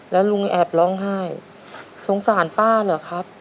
แล้วลุงแอบร้องไห้สงสารป้าเหรอครับ